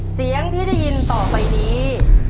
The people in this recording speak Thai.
เสียงที่ได้ยินต่อไปนี้